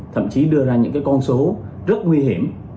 thậm chí đưa ra những con số rất nguy hiểm